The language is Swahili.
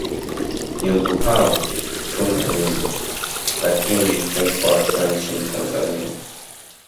Nyumbu hao hutunga mimba lakini hujifungua wakiwa nchini Tanzania